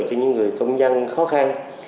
cho những người công nhân khó khăn